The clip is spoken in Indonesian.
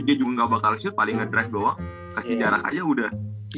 dia juga nggak bakal shoot paling ngedred bawah kasih jarak aja udah